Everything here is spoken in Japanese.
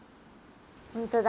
本当だ。